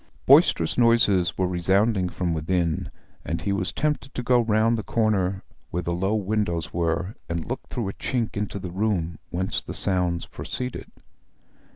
Boisterous noises were resounding from within, and he was tempted to go round the corner, where the low windows were, and look through a chink into the room whence the sounds proceeded.